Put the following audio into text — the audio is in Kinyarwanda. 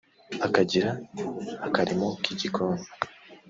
Akagira akarimo k’igikoni